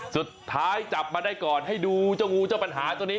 สุดท้ายจับมาได้ก่อนให้ดูเจ้างูเจ้าปัญหาตัวนี้